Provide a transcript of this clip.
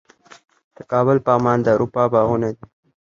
د کابل پغمان د اروپا باغونه دي